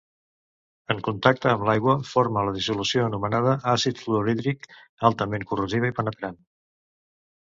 En contacte amb l'aigua forma la dissolució anomenada àcid fluorhídric, altament corrosiva i penetrant.